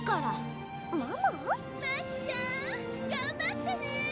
真姫ちゃん！頑張ってね！